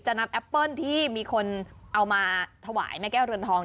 นำแอปเปิ้ลที่มีคนเอามาถวายแม่แก้วเรือนทอง